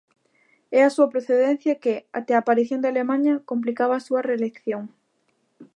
É a súa procedencia que, até a aparición de Alemaña, complicaba a súa reelección.